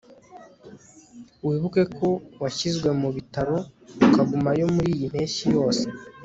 wibuke ko washyizwe mubitaro ukagumayo muriyi mpeshyi yose